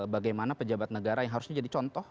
bagaimana pejabat negara yang harusnya jadi contoh